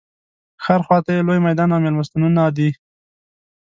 ښار خواته یې لوی میدان او مېلمستونونه دي.